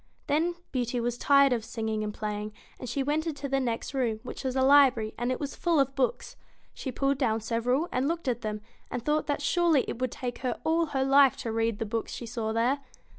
Then Beauty was tired of singing and playing, and she went into the next room, which was a library, and it was full of books. She pulled down several and looked at them, and thought that surely it would take her all her life to read the books she saw there.